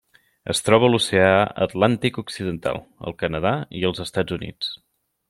Es troba a l'Oceà Atlàntic occidental: el Canadà i els Estats Units.